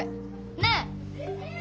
ねえ？